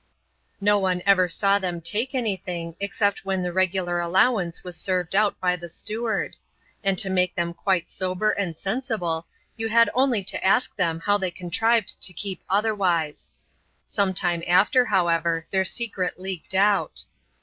No one ever saw them take any thing, except when the regular allowance was served out by the steward ; and to make them quite sober and sensible, yon had only to ask them how they contrived to keep otherwise. Sometime after, however, their secret leaked out.